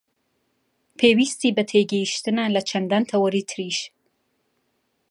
پێویستی بە تێگەیشتنە لە چەندان تەوەری تریش